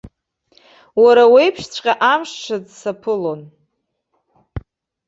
Уара уеиԥшҵәҟьа амш ҿыц саԥылон.